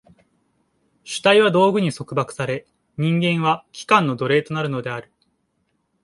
主体は道具に束縛され、人間は器官の奴隷となるのである。